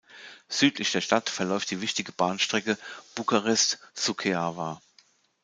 Südlich der Stadt verläuft die wichtige Bahnstrecke Bukarest–Suceava.